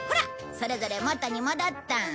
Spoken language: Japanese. それぞれ元に戻った。